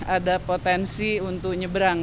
ada potensi untuk nyebrang